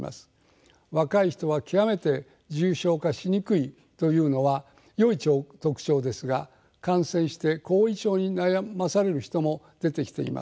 若い人は極めて重症化しにくいというのはよい特徴ですが感染して後遺症に悩まされる人も出てきています。